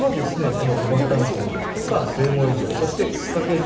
この小幡城ですとか末盛城そして沓掛城。